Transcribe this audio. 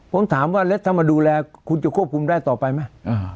ผมถามว่าแล้วถ้ามาดูแลคุณจะควบคุมได้ต่อไปไหม